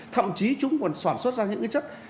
thậm chí chúng còn sản xuất ra những cái chất